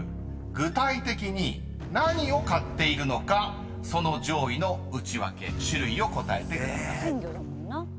［具体的に何を買っているのかその上位のウチワケ種類を答えてください］